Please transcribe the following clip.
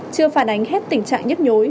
chưa phản ánh hết tình trạng nhấp nhối